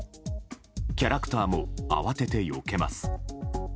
キャラクターも慌ててよけます。